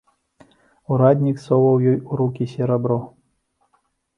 Ураднік соваў ёй у рукі серабро.